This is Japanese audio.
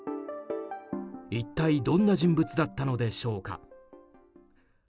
一体どんな人物だったのでしょうか。